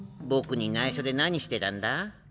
僕にないしょで何してたんだ？